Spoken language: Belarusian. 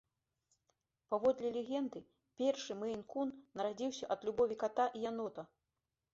Паводле легенды, першы мэйн-кун нарадзіўся ад любові ката і янота.